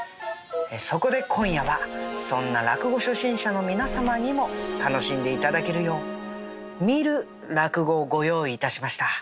そこで今夜はそんな落語初心者の皆様にも楽しんで頂けるよう見る落語をご用意致しました。